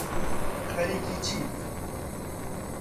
خەریکی چیت